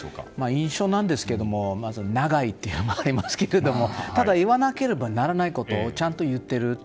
印象なんですが長いというのもありますがただ、言わなければならないこともちゃんと言っている。